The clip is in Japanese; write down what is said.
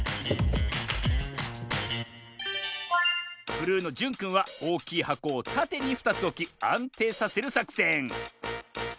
ブルーのじゅんくんはおおきいはこをたてに２つおきあんていさせるさくせん。